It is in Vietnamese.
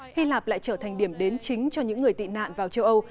hy lạp lại trở thành điểm đến chính cho những người tị nạn vào châu âu